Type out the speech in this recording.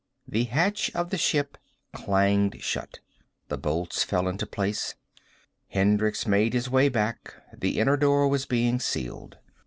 The hatch of the ship clanged shut. The bolts fell into place. Hendricks made his way back. The inner door was being sealed.